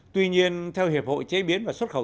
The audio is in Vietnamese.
tuy nhiên theo hiệp hội chế biến và xuất khẩu